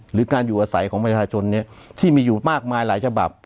หรือการอยู่อาศัยของประชาชนที่มีอยู่มากมายหลายฉบับ